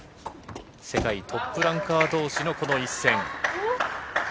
世界トップランカーどうしのこの一戦。